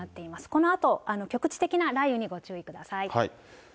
このあと局地的な雷雨にご注意ください。